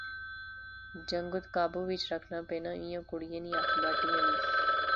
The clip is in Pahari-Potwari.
جنگت قابو وچ رکھنا پینا، ایہہ کڑیا نی ہتھ بٹی ہونی